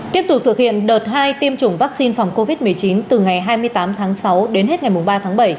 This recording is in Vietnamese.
tiếp tục thực hiện đợt hai tiêm chủng vaccine phòng covid một mươi chín từ ngày hai mươi tám tháng sáu đến hết ngày ba tháng bảy